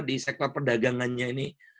di sektor perdagangannya ini